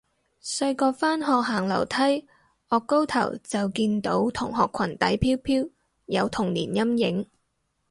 細個返學行樓梯，顎高頭就見到同學裙底飄飄，有童年陰影